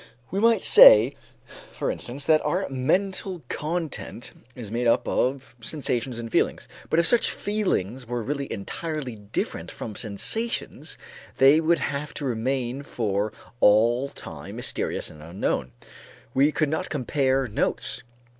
We might say, for instance, that our mental content is made up of sensations and feelings, but if such feelings were really entirely different from sensations, they would have to remain for all time mysterious and unknown. We could not compare notes.